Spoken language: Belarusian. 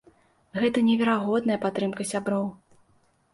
Гэта неверагодная падтрымка сяброў!